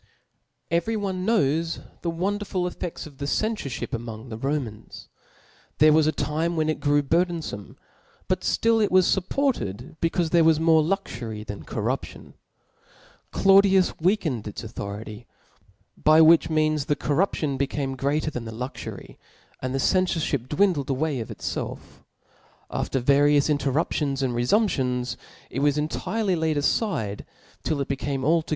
Every one knowii the wonderful efiefts of the cenftrihip among the Romans. There was a time whtrt It grew burfiienfome i }>ut ftill it was fup^ ported becaufe th^r6 wtfs more luxufry than cor ^ 0) See raption. Claudius (') weakened its authority, by »)ok nth which means the corruption became greater than' ^*^'" the luxury, and the (eafoffhip dwindled away of itfelf *. Aiter various interruptioAs and refump* tions, it was enti/ely Uid alide till it became alto*.